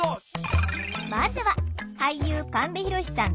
まずは俳優神戸浩さん